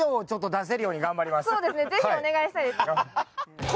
ぜひお願いしたいです。